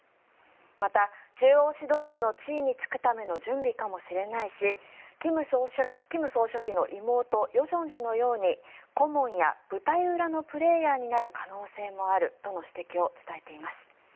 また、中央指導部の地位に就くための準備かもしれないし金総書記の妹・与正氏のように顧問や舞台裏のプレーヤーになる可能性があるとも指摘しています。